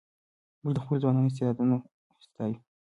موږ د خپلو ځوانانو استعدادونه ستایو.